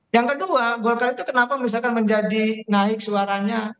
yang kedua golkar itu kenapa misalkan menjadi naik suaranya